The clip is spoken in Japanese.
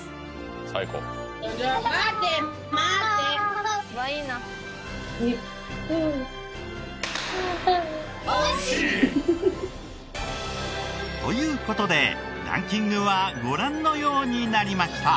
待て待て！という事でランキングはご覧のようになりました。